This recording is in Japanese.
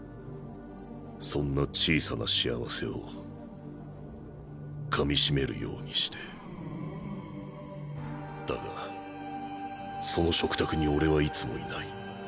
そんな小さな幸せを噛みしめるようにしてだがその食卓に俺はいつもいない。